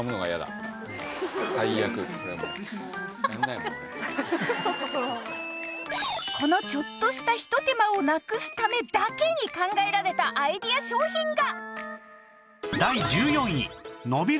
いちいちこのちょっとしたひと手間をなくすためだけに考えられたアイデア商品が！